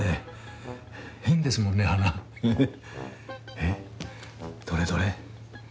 えっどれどれ。